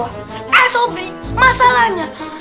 eh sobri masalahnya